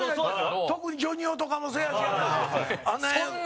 特にジョニ男とかもそうやしやな。